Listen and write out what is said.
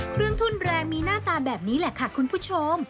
ทุนแรงมีหน้าตาแบบนี้แหละค่ะคุณผู้ชม